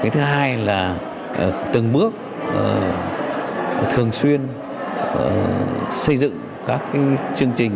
thứ hai là từng bước thường xuyên xây dựng các chương trình